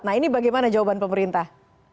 nah ini bagaimana jawaban pemerintah